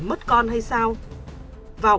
mất con hay sao vào